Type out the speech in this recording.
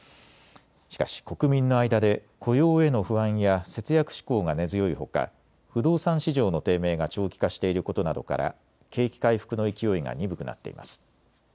しかし国民の間で雇用への不安や節約志向が根強いほか不動産市場の低迷が長期化していることなどから景気回復の勢いが鈍くなっています。